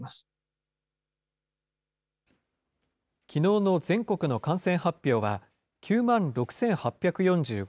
きのうの全国の感染発表は、９万６８４５人。